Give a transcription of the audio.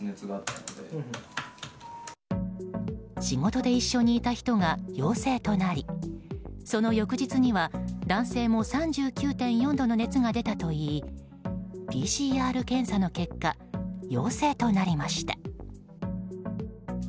仕事で一緒にいた人が陽性となりその翌日には男性も３９４度の熱が出たといいＰＣＲ検査の結果陽性となりました。